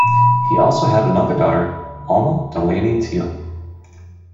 He also had another daughter, Alma Delaney Teal.